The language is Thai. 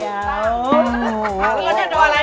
ป้าต้อยกับป้านี้กลัวอะไร